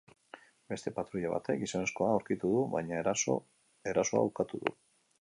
Beste patruila batek gizonezkoa aurkitu du, baina erasoa ukatu du.